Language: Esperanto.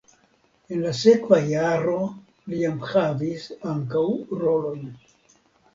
En la sekva jaro li jam havis ankaŭ rolojn.